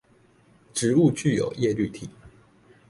植物具有葉綠體